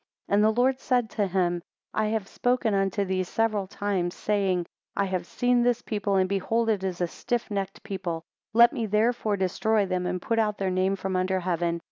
12 And the Lord said unto him, I have spoken unto thee several times, saying, I have seen this people, and behold it is a stiff necked people: let me therefore destroy them, and put out their name from under heaven.